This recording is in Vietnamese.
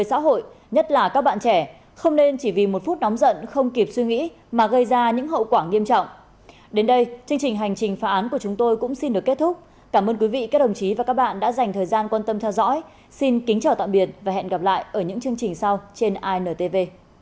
xin kính chào và hẹn gặp lại ở những chương trình sau trên intv